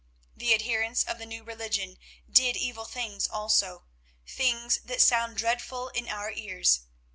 The adherents of the New Religion did evil things also, things that sound dreadful in our ears.